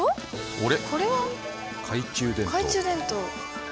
あれ？